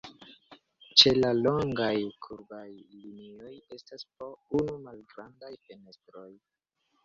Ĉe la longaj kurbaj linioj estas po unu malgrandaj fenestroj.